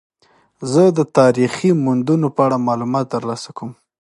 زه د تاریخي موندنو په اړه معلومات ترلاسه کوم.